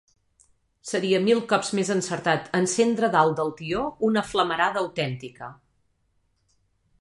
Seria mil cops més encertat encendre dalt del tió una flamarada autèntica